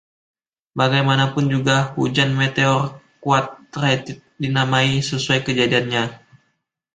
Bagaimanapun juga, hujan meteor Quadrantid dinamai sesuai kejadiannya.